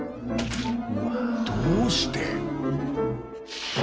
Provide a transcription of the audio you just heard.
どうして？